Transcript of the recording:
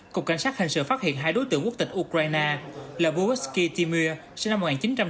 cục cảnh sát hình sự phát hiện hai đối tượng quốc tịch ukraine là vujovsky timur sinh năm một nghìn chín trăm tám mươi